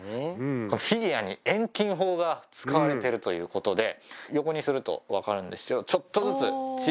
フィギュアに遠近法が使われてるということで横にすると分かるんですよ。